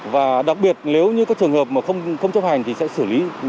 và đặc biệt nếu như các trường hợp mà không chấp hành thì sẽ xử lý